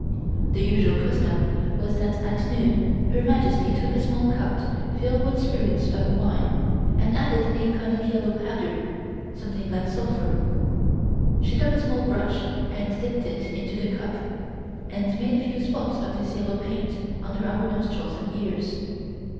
The usual custom was that at noon Her Majesty took a small cup filled with spirits of wine, and added a kind of yellow powder (something like sulphur). She took a small brush and dipped it into the cup and made a few spots of this yellow paint under our nostrils and ears.